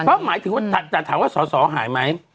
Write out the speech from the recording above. ก็หมายถึงว่าถ้าฐานว่าสสอหายไหม